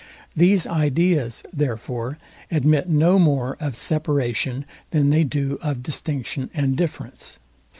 These ideas, therefore, admit no more of separation than they do of distinction and difference.